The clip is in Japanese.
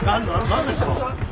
何ですか？